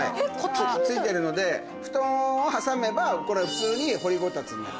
付いてるので布団を挟めば普通に掘りゴタツになる。